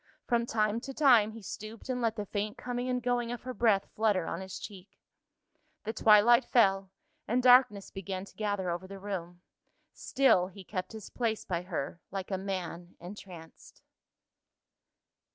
From time to time, he stooped and let the faint coming and going of her breath flutter on his cheek. The twilight fell, and darkness began to gather over the room. Still, he kept his place by her, like a man entranced.